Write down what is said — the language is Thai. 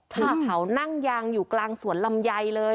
ถูกเผานั่งยางอยู่กลางสวนลำไยเลย